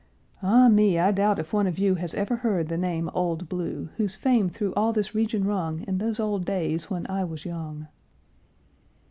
Ah me! I doubt if one of you Has ever heard the name "Old Blue," Whose fame through all this region rung In those old days when I was young!